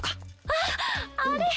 あっあれ！